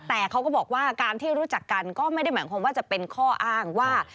แต่เขาก็บอกว่าการที่รู้จักกันก็ไม่ได้หมายความว่าจะเป็นข้ออ้างว่า